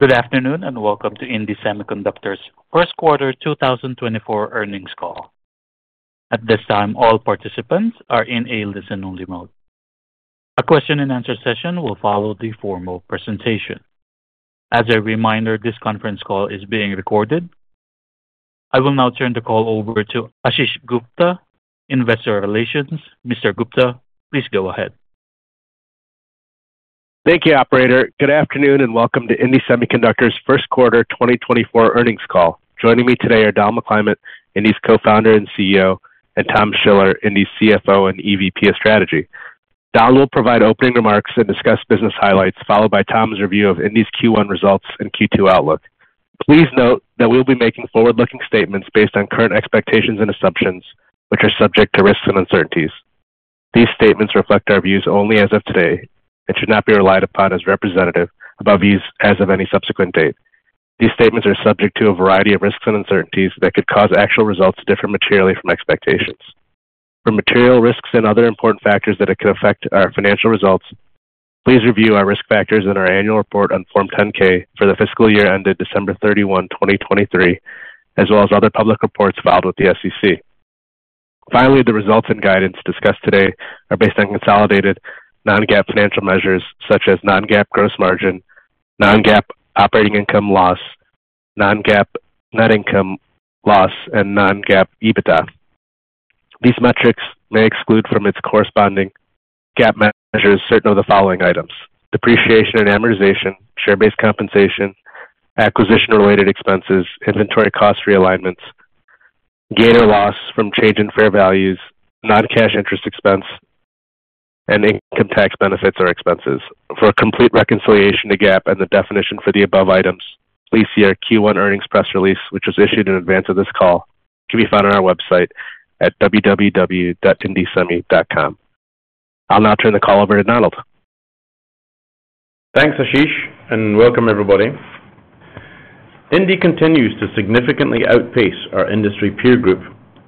Good afternoon and welcome to indie Semiconductor's First Quarter 2024 Earnings Call. At this time, all participants are in a listen-only mode. A question-and-answer session will follow the formal presentation. As a reminder, this conference call is being recorded. I will now turn the call over to Ashish Gupta, investor relations. Mr. Gupta, please go ahead. Thank you, operator. Good afternoon and welcome to indie Semiconductor's first quarter 2024 earnings call. Joining me today are Don McClymont, indie's Co-founder and CEO, and Tom Schiller, indie's CFO and EVP of Strategy. Don will provide opening remarks and discuss business highlights, followed by Tom's review of indie's Q1 results and Q2 outlook. Please note that we will be making forward-looking statements based on current expectations and assumptions, which are subject to risks and uncertainties. These statements reflect our views only as of today and should not be relied upon as representative of views as of any subsequent date. These statements are subject to a variety of risks and uncertainties that could cause actual results different materially from expectations. For material risks and other important factors that could affect our financial results, please review our risk factors in our annual report on Form 10-K for the fiscal year ended December 31, 2023, as well as other public reports filed with the SEC. Finally, the results and guidance discussed today are based on consolidated non-GAAP financial measures such as non-GAAP gross margin, non-GAAP operating income loss, non-GAAP net income loss, and non-GAAP EBITDA. These metrics may exclude from its corresponding GAAP measures certain of the following items: depreciation and amortization, share-based compensation, acquisition-related expenses, inventory cost realignments, gain or loss from change in fair values, non-cash interest expense, and income tax benefits or expenses. For a complete reconciliation to GAAP and the definition for the above items, please see our Q1 earnings press release, which was issued in advance of this call. It can be found on our website at www.indiesemi.com. I'll now turn the call over to Donald. Thanks, Ashish, and welcome, everybody. Indie continues to significantly outpace our industry peer group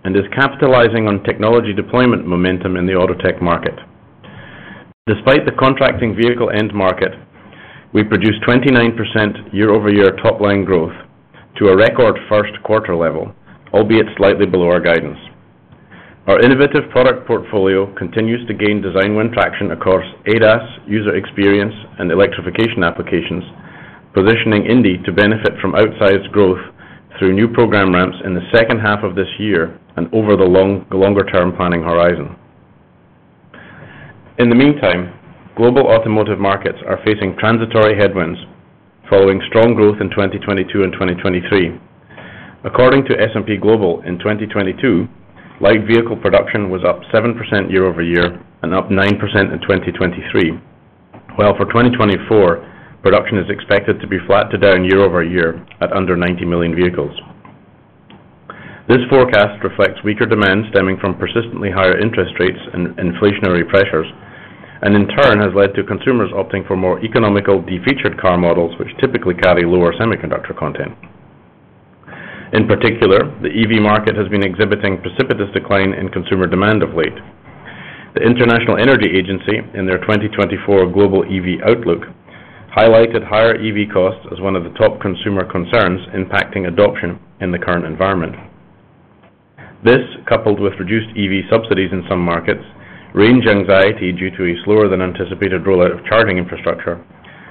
and is capitalizing on technology deployment momentum in the auto tech market. Despite the contracting vehicle end market, we produced 29% year-over-year top-line growth to a record first quarter level, albeit slightly below our guidance. Our innovative product portfolio continues to gain design win traction across ADAS, user experience, and electrification applications, positioning indie to benefit from outsized growth through new program ramps in the second half of this year and over the longer-term planning horizon. In the meantime, global automotive markets are facing transitory headwinds following strong growth in 2022 and 2023. According to S&P Global, in 2022, light vehicle production was up 7% year-over-year and up 9% in 2023, while for 2024, production is expected to be flat to down year-over-year at under 90 million vehicles. This forecast reflects weaker demand stemming from persistently higher interest rates and inflationary pressures, and in turn has led to consumers opting for more economical, defeatured car models, which typically carry lower semiconductor content. In particular, the EV market has been exhibiting precipitous decline in consumer demand of late. The International Energy Agency, in their 2024 global EV outlook, highlighted higher EV costs as one of the top consumer concerns impacting adoption in the current environment. This, coupled with reduced EV subsidies in some markets, range anxiety due to a slower-than-anticipated rollout of charging infrastructure,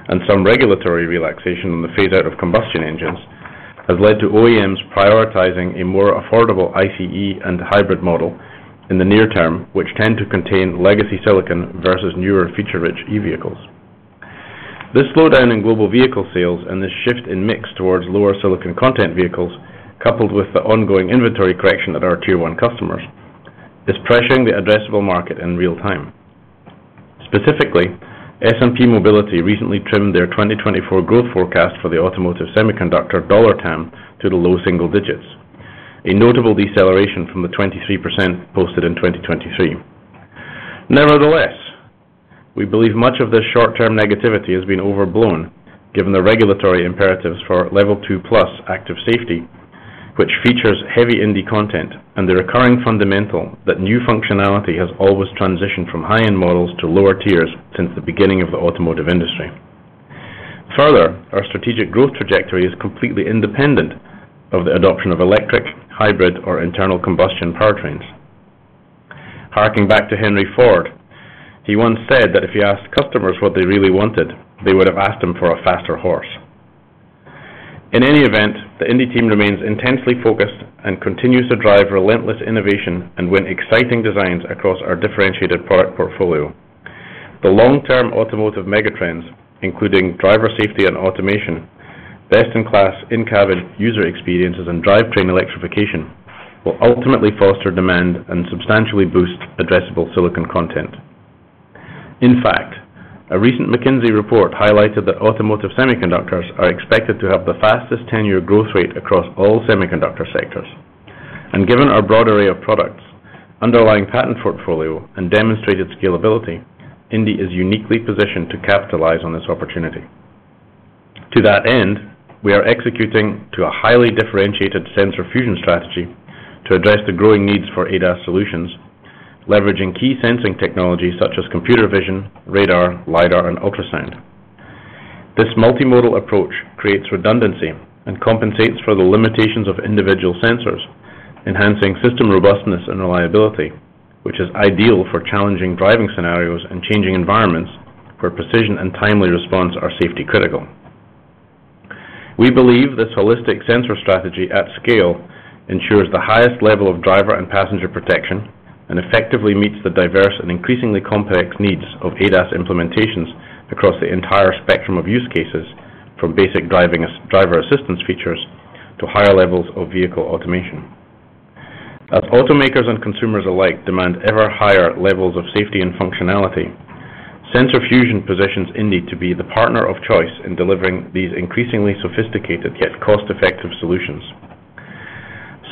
and some regulatory relaxation on the phase-out of combustion engines, has led to OEMs prioritizing a more affordable ICE and hybrid model in the near term, which tend to contain legacy silicon versus newer, feature-rich EV vehicles. This slowdown in global vehicle sales and this shift in mix towards lower silicon content vehicles, coupled with the ongoing inventory correction at our Tier 1 customers, is pressuring the addressable market in real time. Specifically, S&P Mobility recently trimmed their 2024 growth forecast for the automotive semiconductor dollar TAM to the low single digits, a notable deceleration from the 23% posted in 2023. Nevertheless, we believe much of this short-term negativity has been overblown given the regulatory imperatives for Level 2+ active safety, which features heavy indie content, and the recurring fundamental that new functionality has always transitioned from high-end models to lower tiers since the beginning of the automotive industry. Further, our strategic growth trajectory is completely independent of the adoption of electric, hybrid, or internal combustion powertrains. Harking back to Henry Ford, he once said that if he asked customers what they really wanted, they would have asked him for a faster horse. In any event, the indie team remains intensely focused and continues to drive relentless innovation and win exciting designs across our differentiated product portfolio. The long-term automotive megatrends, including driver safety and automation, best-in-class in-cabin user experiences, and drivetrain electrification, will ultimately foster demand and substantially boost addressable silicon content. In fact, a recent McKinsey report highlighted that automotive semiconductors are expected to have the fastest 10-year growth rate across all semiconductor sectors. Given our broad array of products, underlying patent portfolio, and demonstrated scalability, indie is uniquely positioned to capitalize on this opportunity. To that end, we are executing a highly differentiated sensor fusion strategy to address the growing needs for ADAS solutions, leveraging key sensing technologies such as computer vision, radar, LiDAR, and ultrasound. This multimodal approach creates redundancy and compensates for the limitations of individual sensors, enhancing system robustness and reliability, which is ideal for challenging driving scenarios and changing environments where precision and timely response are safety critical. We believe this holistic sensor strategy at scale ensures the highest level of driver and passenger protection and effectively meets the diverse and increasingly complex needs of ADAS implementations across the entire spectrum of use cases, from basic driver assistance features to higher levels of vehicle automation. As automakers and consumers alike demand ever higher levels of safety and functionality, sensor fusion positions indie to be the partner of choice in delivering these increasingly sophisticated yet cost-effective solutions.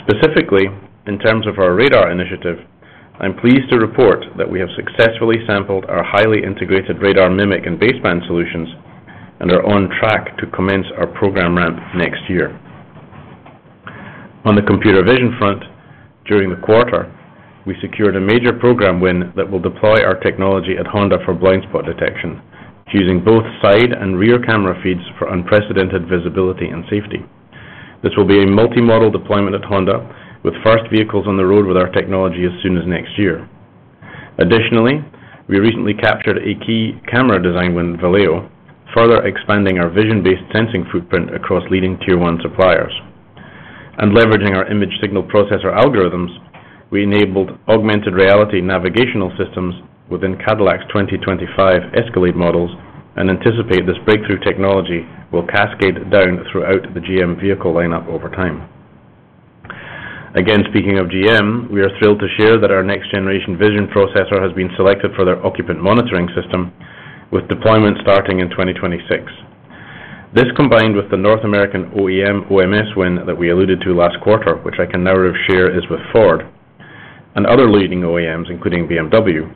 Specifically, in terms of our radar initiative, I'm pleased to report that we have successfully sampled our highly integrated radar MMIC and baseband solutions and are on track to commence our program ramp next year. On the computer vision front, during the quarter, we secured a major program win that will deploy our technology at Honda for blind spot detection, using both side and rear camera feeds for unprecedented visibility and safety. This will be a multimodal deployment at Honda, with first vehicles on the road with our technology as soon as next year. Additionally, we recently captured a key camera design win at Valeo, further expanding our vision-based sensing footprint across leading Tier 1 suppliers. Leveraging our image signal processor algorithms, we enabled augmented reality navigational systems within Cadillac's 2025 Escalade models, and anticipate this breakthrough technology will cascade down throughout the GM vehicle lineup over time. Again, speaking of GM, we are thrilled to share that our next-generation vision processor has been selected for their occupant monitoring system, with deployment starting in 2026. This, combined with the North American OEM OMS win that we alluded to last quarter, which I can now share is with Ford, and other leading OEMs, including BMW,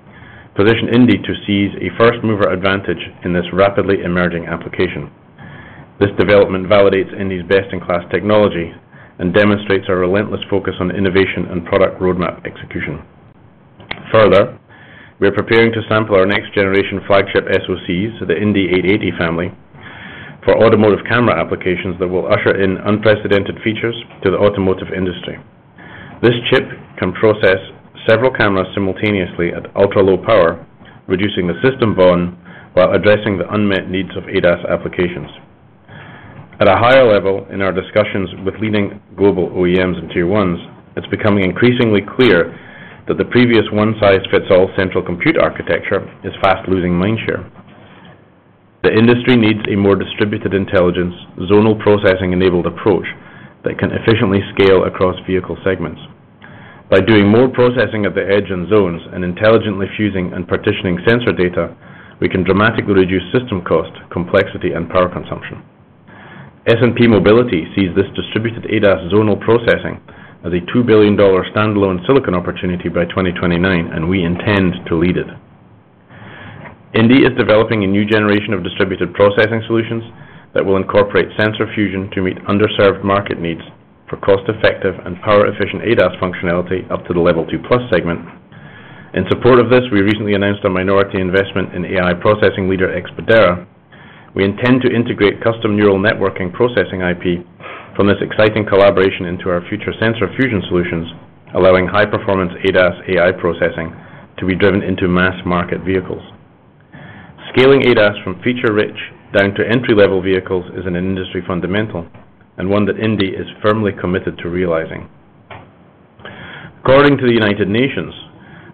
position indie to seize a first-mover advantage in this rapidly emerging application. This development validates indie's best-in-class technology and demonstrates our relentless focus on innovation and product roadmap execution. Further, we are preparing to sample our next-generation flagship SoCs, the indie 880 family, for automotive camera applications that will usher in unprecedented features to the automotive industry. This chip can process several cameras simultaneously at ultra-low power, reducing the system burn while addressing the unmet needs of ADAS applications. At a higher level, in our discussions with leading global OEMs and Tier 1s, it's becoming increasingly clear that the previous one-size-fits-all central compute architecture is fast losing mindshare. The industry needs a more distributed intelligence, zonal processing-enabled approach that can efficiently scale across vehicle segments. By doing more processing at the edge in zones and intelligently fusing and partitioning sensor data, we can dramatically reduce system cost, complexity, and power consumption. S&P Mobility sees this distributed ADAS zonal processing as a $2 billion standalone silicon opportunity by 2029, and we intend to lead it. indie is developing a new generation of distributed processing solutions that will incorporate sensor fusion to meet underserved market needs for cost-effective and power-efficient ADAS functionality up to the Level 2+ segment. In support of this, we recently announced a minority investment in AI processing leader Expedera. We intend to integrate custom neural networking processing IP from this exciting collaboration into our future sensor fusion solutions, allowing high-performance ADAS AI processing to be driven into mass market vehicles. Scaling ADAS from feature-rich down to entry-level vehicles is an industry fundamental and one that indie is firmly committed to realizing. According to the United Nations,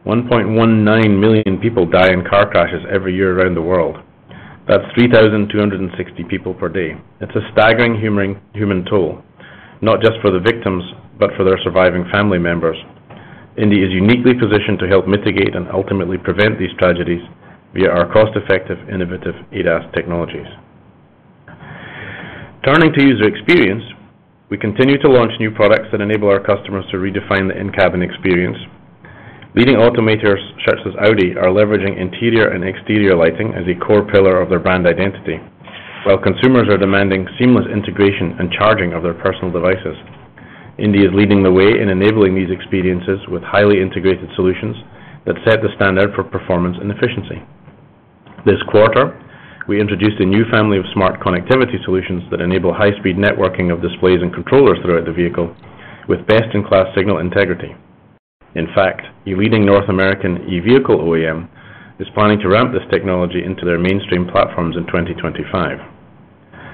1.19 million people die in car crashes every year around the world. That's 3,260 people per day. It's a staggering human toll, not just for the victims but for their surviving family members. Indie is uniquely positioned to help mitigate and ultimately prevent these tragedies via our cost-effective, innovative ADAS technologies. Turning to user experience, we continue to launch new products that enable our customers to redefine the in-cabin experience. Leading automakers such as Audi are leveraging interior and exterior lighting as a core pillar of their brand identity, while consumers are demanding seamless integration and charging of their personal devices. Indie is leading the way in enabling these experiences with highly integrated solutions that set the standard for performance and efficiency. This quarter, we introduced a new family of smart connectivity solutions that enable high-speed networking of displays and controllers throughout the vehicle with best-in-class signal integrity. In fact, a leading North American EV vehicle OEM is planning to ramp this technology into their mainstream platforms in 2025.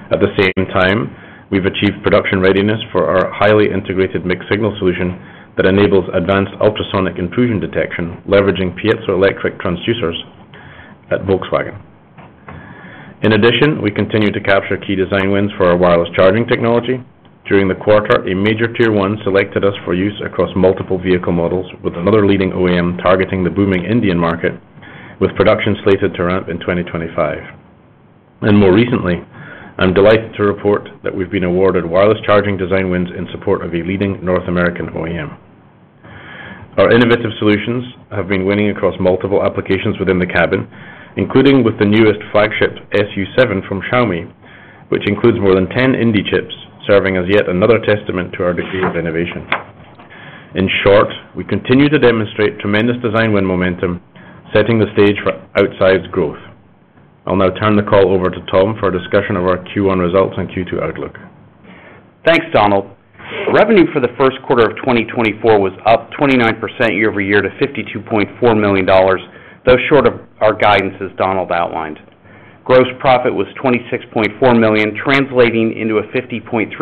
At the same time, we've achieved production readiness for our highly integrated mixed signal solution that enables advanced ultrasonic intrusion detection, leveraging piezoelectric transducers at Volkswagen. In addition, we continue to capture key design wins for our wireless charging technology. During the quarter, a major Tier 1 selected us for use across multiple vehicle models, with another leading OEM targeting the booming Indian market, with production slated to ramp in 2025. More recently, I'm delighted to report that we've been awarded wireless charging design wins in support of a leading North American OEM. Our innovative solutions have been winning across multiple applications within the cabin, including with the newest flagship SU7 from Xiaomi, which includes more than 10 indie chips, serving as yet another testament to our degree of innovation. In short, we continue to demonstrate tremendous design win momentum, setting the stage for outsized growth. I'll now turn the call over to Tom for a discussion of our Q1 results and Q2 outlook. Thanks, Donald. Revenue for the first quarter of 2024 was up 29% year-over-year to $52.4 million, though short of our guidance as Donald outlined. Gross profit was $26.4 million, translating into a 50.3%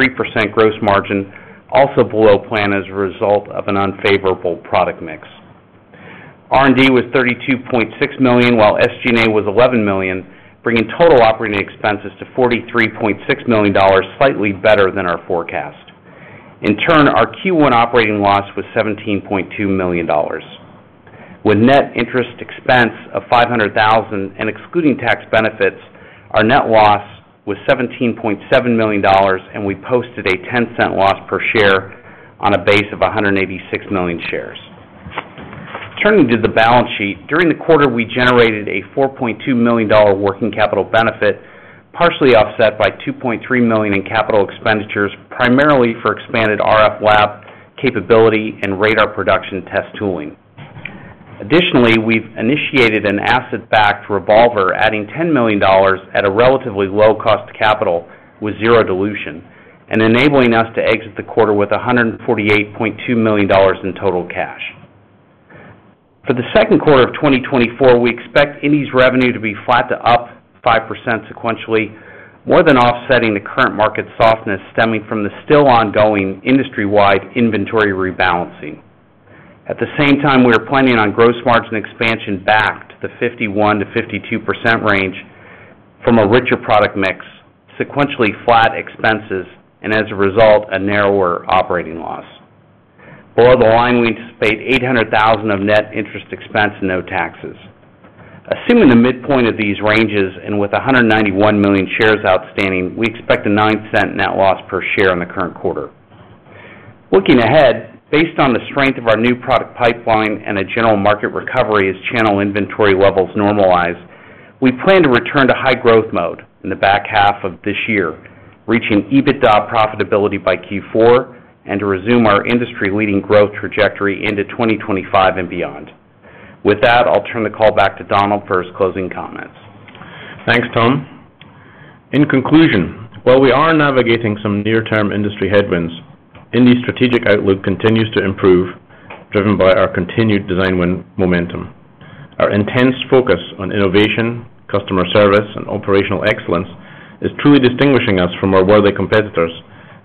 gross margin, also below plan as a result of an unfavorable product mix. R&D was $32.6 million, while SG&A was $11 million, bringing total operating expenses to $43.6 million, slightly better than our forecast. In turn, our Q1 operating loss was $17.2 million. With net interest expense of $500,000 and excluding tax benefits, our net loss was $17.7 million, and we posted a 10-cent loss per share on a base of 186 million shares. Turning to the balance sheet, during the quarter, we generated a $4.2 million working capital benefit, partially offset by $2.3 million in capital expenditures, primarily for expanded RF lab capability and radar production test tooling. Additionally, we've initiated an asset-backed revolver, adding $10 million at a relatively low cost capital with zero dilution, and enabling us to exit the quarter with $148.2 million in total cash. For the second quarter of 2024, we expect indie's revenue to be flat to up 5% sequentially, more than offsetting the current market softness stemming from the still-ongoing industry-wide inventory rebalancing. At the same time, we are planning on gross margin expansion back to the 51%-52% range from a richer product mix, sequentially flat expenses, and as a result, a narrower operating loss. Below the line, we anticipate $800,000 of net interest expense and no taxes. Assuming the midpoint of these ranges and with 191 million shares outstanding, we expect a $0.09 net loss per share in the current quarter. Looking ahead, based on the strength of our new product pipeline and a general market recovery as channel inventory levels normalize, we plan to return to high growth mode in the back half of this year, reaching EBITDA profitability by Q4, and to resume our industry-leading growth trajectory into 2025 and beyond. With that, I'll turn the call back to Donald for his closing comments. Thanks, Tom. In conclusion, while we are navigating some near-term industry headwinds, indie's strategic outlook continues to improve, driven by our continued design win momentum. Our intense focus on innovation, customer service, and operational excellence is truly distinguishing us from our worthy competitors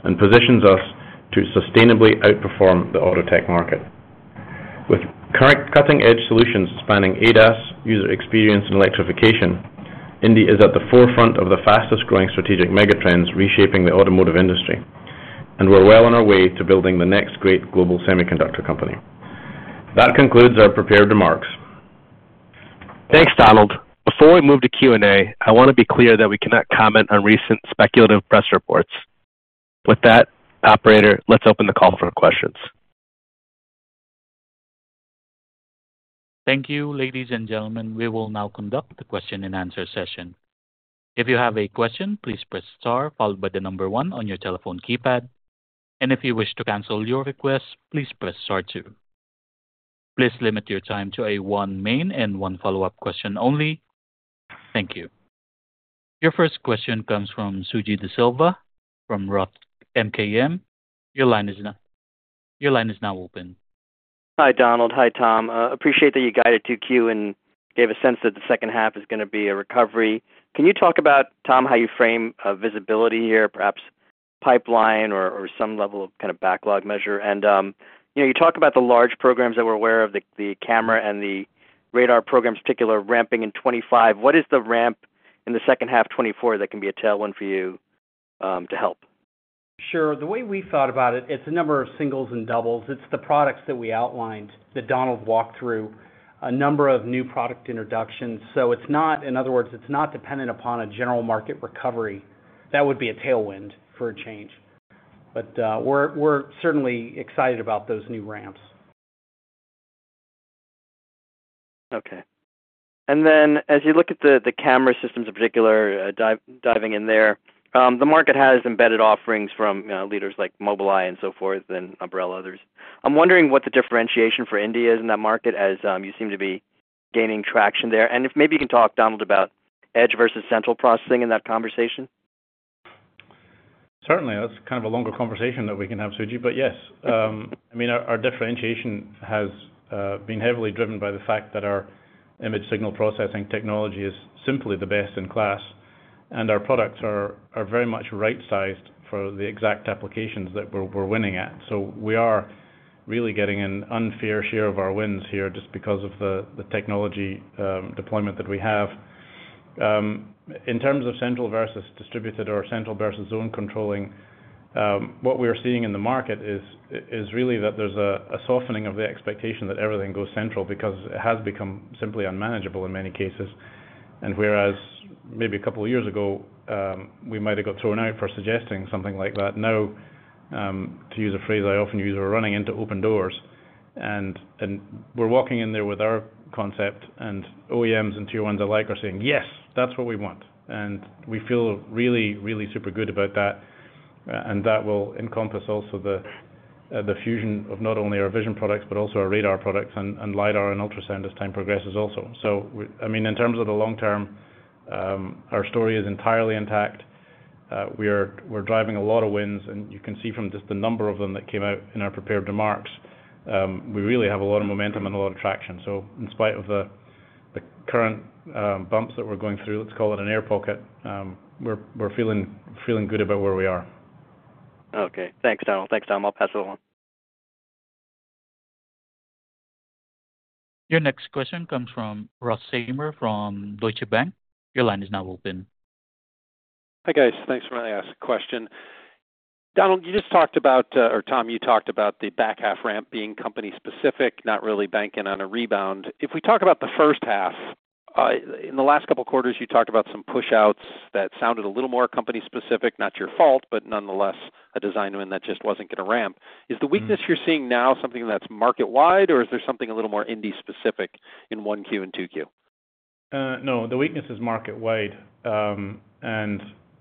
and positions us to sustainably outperform the auto tech market. With current cutting-edge solutions spanning ADAS, user experience, and electrification, indie is at the forefront of the fastest-growing strategic megatrends reshaping the automotive industry, and we're well on our way to building the next great global semiconductor company. That concludes our prepared remarks. Thanks, Donald. Before we move to Q&A, I want to be clear that we cannot comment on recent speculative press reports. With that, operator, let's open the call for questions. Thank you, ladies and gentlemen. We will now conduct the question-and-answer session. If you have a question, please press * followed by the number 1 on your telephone keypad, and if you wish to cancel your request, please press *2. Please limit your time to a one main and one follow-up question only. Thank you. Your first question comes from Suji Desilva from Roth MKM. Your line is now open. Hi, Donald. Hi, Tom. Appreciate that you guided to Q and gave a sense that the second half is going to be a recovery. Can you talk about, Tom, how you frame visibility here, perhaps pipeline or some level of kind of backlog measure? And you talked about the large programs that we're aware of, the camera and the radar programs in particular, ramping in 2025. What is the ramp in the second half 2024 that can be a tailwind for you to help? Sure. The way we thought about it, it's a number of singles and doubles. It's the products that we outlined, that Donald walked through, a number of new product introductions. So in other words, it's not dependent upon a general market recovery. That would be a tailwind for a change. But we're certainly excited about those new ramps. Okay. And then as you look at the camera systems in particular, diving in there, the market has embedded offerings from leaders like Mobileye and so forth and Ambarella, others. I'm wondering what the differentiation for indie is in that market as you seem to be gaining traction there. And if maybe you can talk, Donald, about edge versus central processing in that conversation. Certainly. That's kind of a longer conversation that we can have, Suji. But yes, I mean, our differentiation has been heavily driven by the fact that our image signal processing technology is simply the best in class, and our products are very much right-sized for the exact applications that we're winning at. So we are really getting an unfair share of our wins here just because of the technology deployment that we have. In terms of central versus distributed or central versus zonal controlling, what we are seeing in the market is really that there's a softening of the expectation that everything goes central because it has become simply unmanageable in many cases. And whereas maybe a couple of years ago, we might have got thrown out for suggesting something like that, now, to use a phrase I often use, we're running into open doors. And we're walking in there with our concept, and OEMs and Tier 1s alike are saying, "Yes, that's what we want." And we feel really, really super good about that. And that will encompass also the fusion of not only our vision products but also our radar products and LiDAR and ultrasound as time progresses also. So I mean, in terms of the long term, our story is entirely intact. We're driving a lot of wins. And you can see from just the number of them that came out in our prepared remarks, we really have a lot of momentum and a lot of traction. So in spite of the current bumps that we're going through, let's call it an air pocket, we're feeling good about where we are. Okay. Thanks, Donald. Thanks, Tom. I'll pass it along. Your next question comes from Ross Seymore from Deutsche Bank. Your line is now open. Hi, guys. Thanks for letting me ask the question. Donald, you just talked about or Tom, you talked about the back half ramp being company-specific, not really banking on a rebound. If we talk about the first half, in the last couple of quarters, you talked about some push-outs that sounded a little more company-specific, not your fault, but nonetheless, a design win that just wasn't going to ramp. Is the weakness you're seeing now something that's market-wide, or is there something a little more indie-specific in 1Q and 2Q? No, the weakness is market-wide.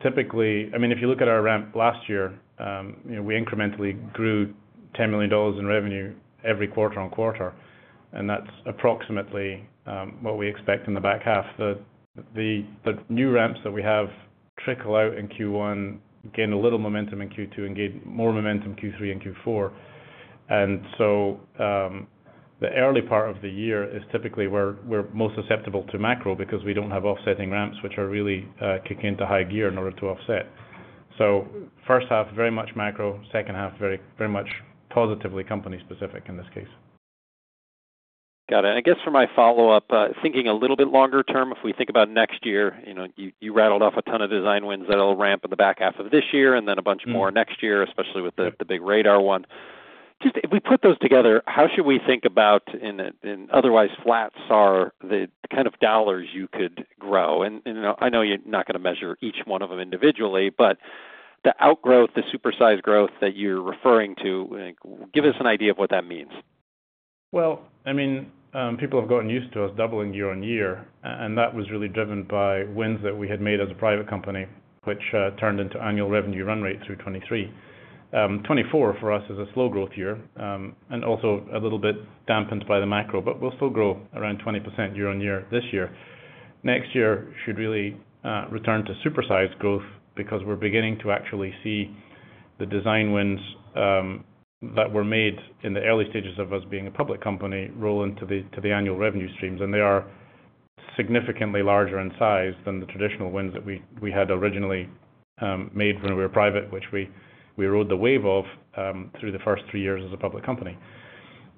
Typically, I mean, if you look at our ramp last year, we incrementally grew $10 million in revenue every quarter-over-quarter. And that's approximately what we expect in the back half. The new ramps that we have trickle out in Q1, gain a little momentum in Q2, and gain more momentum Q3 and Q4. And so the early part of the year is typically where we're most susceptible to macro because we don't have offsetting ramps which are really kicking into high gear in order to offset. So first half, very much macro. Second half, very much positively company-specific in this case. Got it. And I guess for my follow-up, thinking a little bit longer term, if we think about next year, you rattled off a ton of design wins that'll ramp in the back half of this year and then a bunch more next year, especially with the big radar one. Just if we put those together, how should we think about, in otherwise flat SAAR, the kind of dollars you could grow? And I know you're not going to measure each one of them individually, but the outgrowth, the supersized growth that you're referring to, give us an idea of what that means. Well, I mean, people have gotten used to us doubling year-on-year. And that was really driven by wins that we had made as a private company, which turned into annual revenue run rate through 2023. 2024, for us, is a slow growth year and also a little bit dampened by the macro, but we'll still grow around 20% year-on-year this year. Next year should really return to supersized growth because we're beginning to actually see the design wins that were made in the early stages of us being a public company roll into the annual revenue streams. And they are significantly larger in size than the traditional wins that we had originally made when we were private, which we rode the wave of through the first three years as a public company.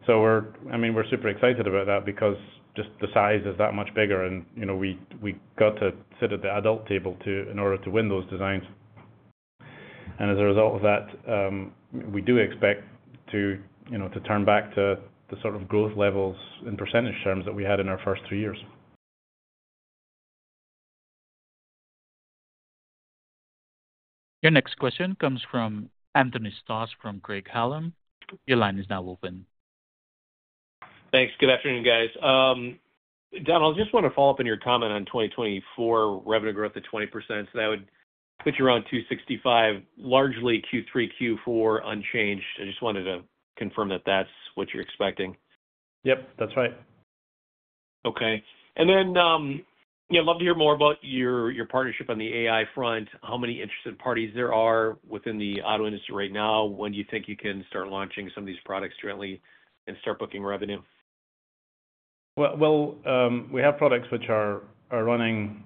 So I mean, we're super excited about that because just the size is that much bigger. And we got to sit at the adult table in order to win those designs. And as a result of that, we do expect to turn back to the sort of growth levels in percentage terms that we had in our first three years. Your next question comes from Anthony Stoss from Craig-Hallum. Your line is now open. Thanks. Good afternoon, guys. Donald, I just want to follow up on your comment on 2024 revenue growth at 20%. So that would put you around $265 million, largely Q3, Q4 unchanged. I just wanted to confirm that that's what you're expecting? Yep, that's right. Okay. And then I'd love to hear more about your partnership on the AI front, how many interested parties there are within the auto industry right now, when do you think you can start launching some of these products jointly and start booking revenue? Well, we have products which are running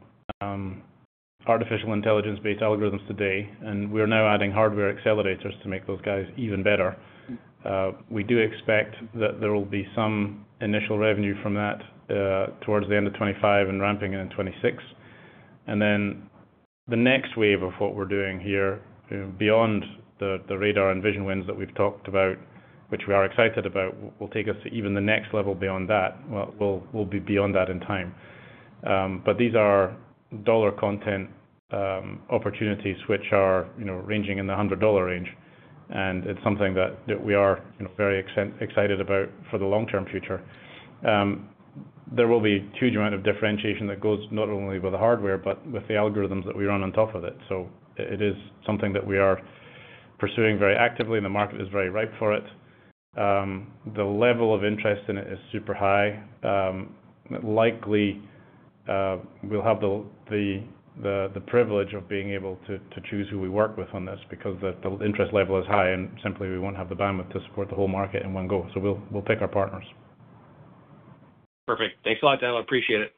artificial intelligence-based algorithms today. And we are now adding hardware accelerators to make those guys even better. We do expect that there will be some initial revenue from that towards the end of 2025 and ramping it in 2026. And then the next wave of what we're doing here, beyond the radar and vision wins that we've talked about, which we are excited about, will take us to even the next level beyond that. Well, we'll be beyond that in time. But these are dollar content opportunities which are ranging in the $100 range. And it's something that we are very excited about for the long-term future. There will be a huge amount of differentiation that goes not only with the hardware but with the algorithms that we run on top of it. So it is something that we are pursuing very actively, and the market is very ripe for it. The level of interest in it is super high. Likely, we'll have the privilege of being able to choose who we work with on this because the interest level is high, and simply, we won't have the bandwidth to support the whole market in one go. So we'll pick our partners. Perfect. Thanks a lot, Donald. Appreciate it.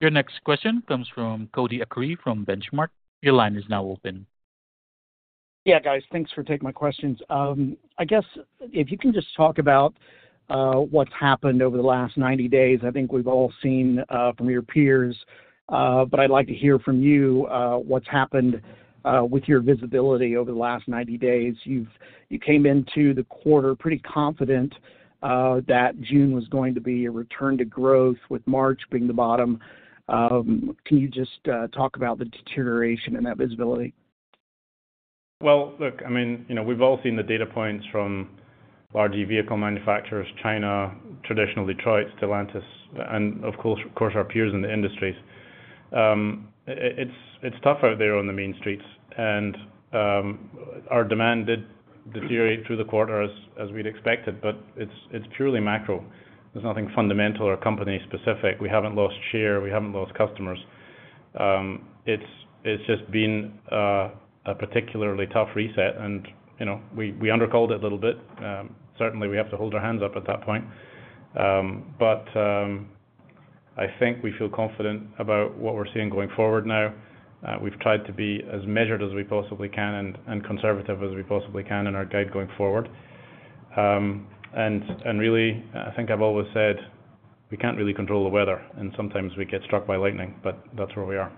Your next question comes from Cody Acree from Benchmark. Your line is now open. Yeah, guys. Thanks for taking my questions. I guess if you can just talk about what's happened over the last 90 days. I think we've all seen from your peers, but I'd like to hear from you what's happened with your visibility over the last 90 days. You came into the quarter pretty confident that June was going to be a return to growth with March being the bottom. Can you just talk about the deterioration in that visibility? Well, look, I mean, we've all seen the data points from large vehicle manufacturers, China, traditional Detroits, Stellantis, and, of course, our peers in the industries. It's tough out there on the main streets. Our demand did deteriorate through the quarter as we'd expected, but it's purely macro. There's nothing fundamental or company-specific. We haven't lost share. We haven't lost customers. It's just been a particularly tough reset. We undercalled it a little bit. Certainly, we have to hold our hands up at that point. But I think we feel confident about what we're seeing going forward now. We've tried to be as measured as we possibly can and conservative as we possibly can in our guide going forward. Really, I think I've always said we can't really control the weather. Sometimes, we get struck by lightning, but that's where we are.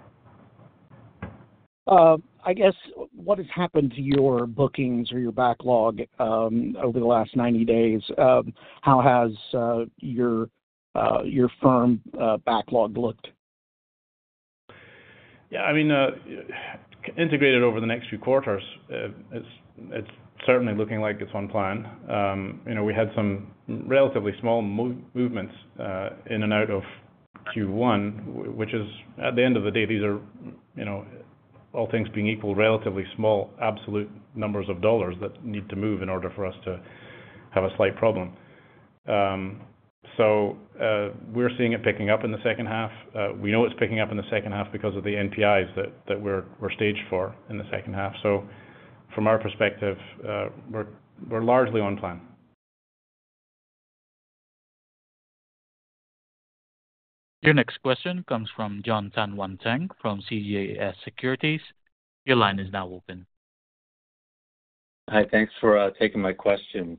I guess what has happened to your bookings or your backlog over the last 90 days? How has your firm backlog looked? Yeah, I mean, integrated over the next few quarters, it's certainly looking like it's on plan. We had some relatively small movements in and out of Q1, which is, at the end of the day, these are all things being equal, relatively small absolute numbers of dollars that need to move in order for us to have a slight problem. So we're seeing it picking up in the second half. We know it's picking up in the second half because of the NPIs that we're staged for in the second half. So from our perspective, we're largely on plan. Your next question comes from John Tanwanteng from CJS Securities. Your line is now open. Hi. Thanks for taking my question.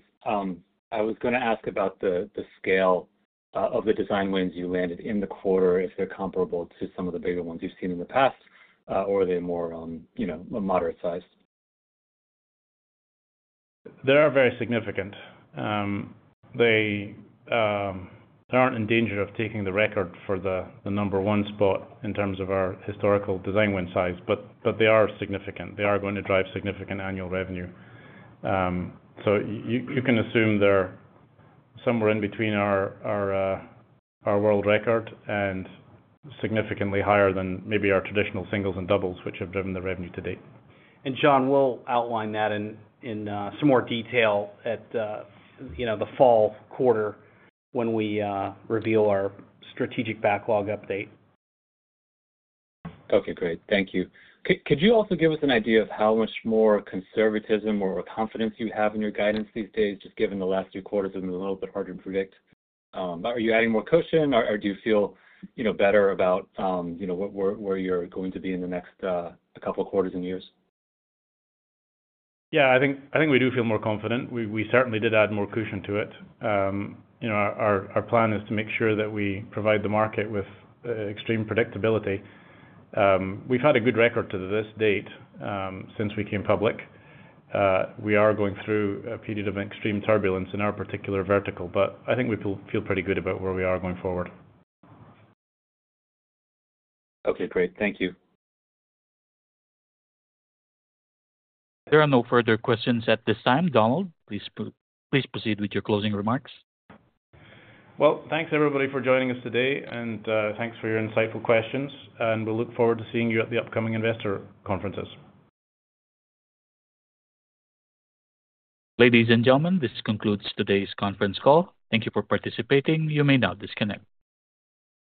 I was going to ask about the scale of the design wins you landed in the quarter, if they're comparable to some of the bigger ones you've seen in the past, or are they more moderate-sized? They are very significant. They aren't in danger of taking the record for the number one spot in terms of our historical design win size, but they are significant. They are going to drive significant annual revenue. So you can assume they're somewhere in between our world record and significantly higher than maybe our traditional singles and doubles, which have driven the revenue to date. John, we'll outline that in some more detail at the fall quarter when we reveal our strategic backlog update. Okay. Great. Thank you. Could you also give us an idea of how much more conservatism or confidence you have in your guidance these days, just given the last few quarters have been a little bit harder to predict? Are you adding more cushion, or do you feel better about where you're going to be in the next couple of quarters and years? Yeah, I think we do feel more confident. We certainly did add more cushion to it. Our plan is to make sure that we provide the market with extreme predictability. We've had a good record to this date since we came public. We are going through a period of extreme turbulence in our particular vertical, but I think we feel pretty good about where we are going forward. Okay. Great. Thank you. There are no further questions at this time. Donald, please proceed with your closing remarks. Well, thanks, everybody, for joining us today. Thanks for your insightful questions. We'll look forward to seeing you at the upcoming investor conferences. Ladies and gentlemen, this concludes today's conference call. Thank you for participating. You may now disconnect.